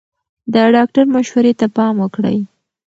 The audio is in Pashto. د ډاکټر مشورې ته پام وکړئ.